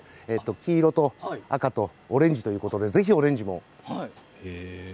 黄色と赤とオレンジということでぜひオレンジも。